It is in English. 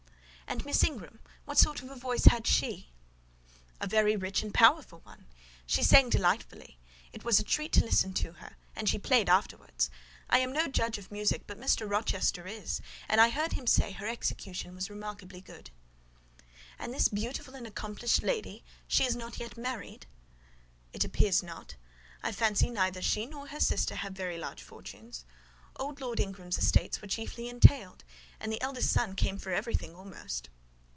"And Miss Ingram: what sort of a voice had she?" "A very rich and powerful one: she sang delightfully; it was a treat to listen to her;—and she played afterwards. I am no judge of music, but Mr. Rochester is; and I heard him say her execution was remarkably good." "And this beautiful and accomplished lady, she is not yet married?" "It appears not: I fancy neither she nor her sister have very large fortunes. Old Lord Ingram's estates were chiefly entailed, and the eldest son came in for everything almost."